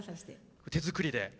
手作りで。